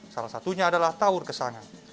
salah satunya adalah taur kesangan